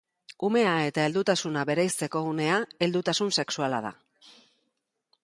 Umea eta heldutasuna bereizteko unea heldutasun sexuala da.